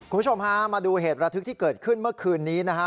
คุณผู้ชมฮะมาดูเหตุระทึกที่เกิดขึ้นเมื่อคืนนี้นะฮะ